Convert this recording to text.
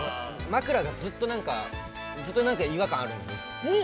枕が、ずっとなんかずっとなんか違和感あるんですよ。